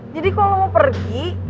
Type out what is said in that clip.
jadi kalau lo mau pergi